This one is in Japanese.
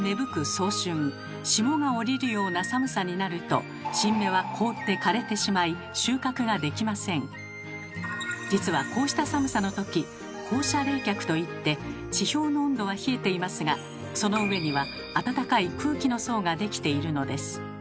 早春霜が降りるような寒さになると新芽は凍って枯れてしまい実はこうした寒さの時「放射冷却」と言って地表の温度は冷えていますがその上には暖かい空気の層が出来ているのです。